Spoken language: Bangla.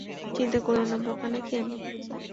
চিন্তা কইরো না, বোকা নাকি আমি।